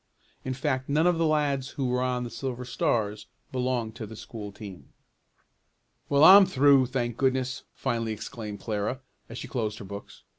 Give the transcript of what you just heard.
In fact none of the lads who were on the Silver Stars belonged to the school team. "Well, I'm through, thank goodness!" finally exclaimed Clara, as she closed her books.